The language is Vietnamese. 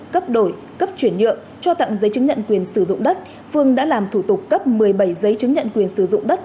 cấp đổi cấp chuyển nhượng cho tặng giấy chứng nhận quyền sử dụng đất phương đã làm thủ tục cấp một mươi bảy giấy chứng nhận quyền sử dụng đất